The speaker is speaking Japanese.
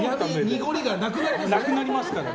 濁りがなくなりますね。